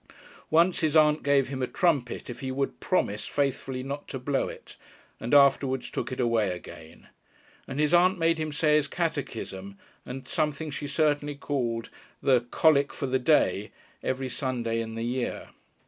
Once his aunt gave him a trumpet if he would promise faithfully not to blow it, and afterwards took it away again. And his aunt made him say his Catechism and something she certainly called the "Colic for the Day" every Sunday in the year.